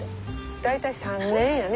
大体３年やね。